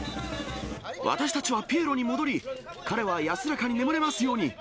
私たちはピエロに戻り、彼は安らかに眠れますように。